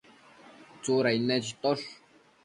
Tsudain nechitosh